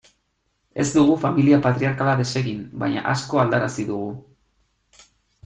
Ez dugu familia patriarkala desegin, baina asko aldarazi dugu.